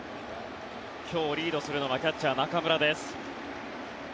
今日リードするのはキャッチャー、中村です。